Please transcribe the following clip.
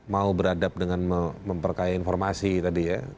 mau beradab dengan memperkaya informasi tadi ya